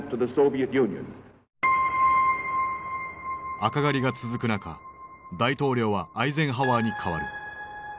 赤狩りが続く中大統領はアイゼンハワーに代わる。